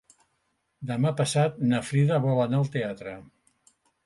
Demà passat na Frida vol anar al teatre.